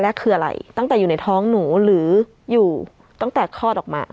คืออะไรตั้งแต่อยู่ในท้องหนูหรืออยู่ตั้งแต่คลอดออกมา